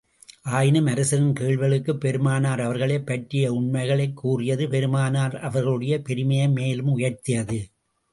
ஆயினும், அரசரின் கேள்விகளுக்குப் பெருமானார் அவர்களைப் பற்றிய உண்மைகளைக் கூறியது, பெருமானார் அவர்களுடைய பெருமையை மேலும் உயர்த்தியது.